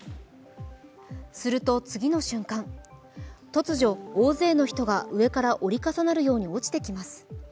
すると次の瞬間、突如、大勢の人が折り重なるように降りてきます。